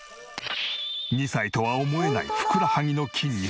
２歳とは思えないふくらはぎの筋肉。